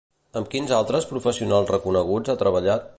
Amb quins altres professionals reconeguts ha treballat?